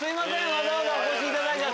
わざわざお越しいただいて。